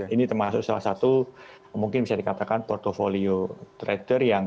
ini termasuk salah satu mungkin bisa dikatakan portfolio trader yang untuk orang orang yang siap untuk menerima resikonya